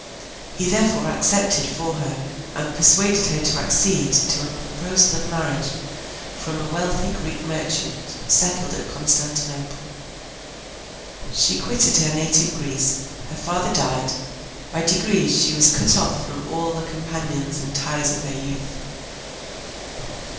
He therefore accepted for her, and persuaded her to accede to, a proposal of marriage, from a wealthy Greek merchant settled at Constantinople. She quitted her native Greece; her father died; by degrees she was cut off from all the companions and ties of her youth.